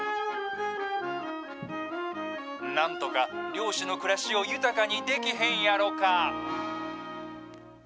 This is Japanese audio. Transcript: なんとか漁師の暮らしを豊かにできへんやろか。